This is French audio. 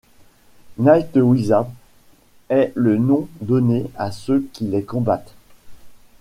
Night Wizard est le nom donné à ceux qui les combattent.